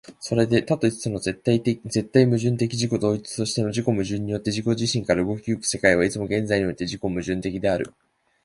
それで多と一との絶対矛盾的自己同一として、自己矛盾によって自己自身から動き行く世界は、いつも現在において自己矛盾的である。